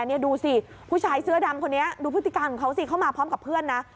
นี่ดูสิผู้ชายเสื้อดำคนนี้ดูพฤติการของเขาสิเข้ามาพร้อมกับเพื่อนนะ